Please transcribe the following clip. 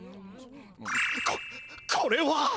ここれは！